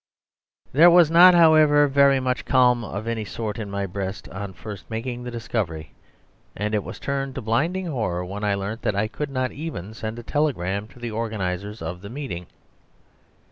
There was not, however, very much calm of any sort in my breast on first making the discovery; and it was turned to blinding horror when I learnt that I could not even send a telegram to the organisers of the meeting.